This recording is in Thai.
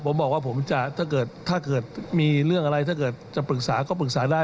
ผมบอกว่าถ้าเกิดมีเรื่องอะไรถ้าเกิดจะปรึกษาก็ปรึกษาได้